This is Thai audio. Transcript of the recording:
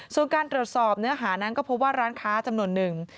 ส่วนการตรวจสอบเนื้อหานั้นก็พบว่าร้านค้าจำนวนหนึ่ง